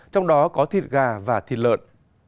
trong đó có thịt gà và thịt lợn